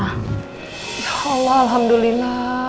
ya allah alhamdulillah